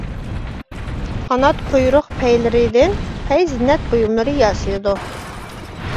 قانات، قۇيرۇق پەيلىرىدىن پەي زىننەت بۇيۇملىرى ياسىلىدۇ.